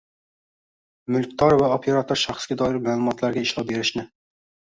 Mulkdor va operator shaxsga doir ma’lumotlarga ishlov berishni